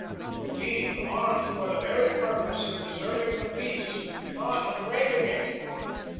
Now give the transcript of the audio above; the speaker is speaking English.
The League armed for the very purpose of preserving the peace, not of breaking it.